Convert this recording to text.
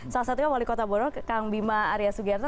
salah satunya wali kota borok kang bima arya sugiyarto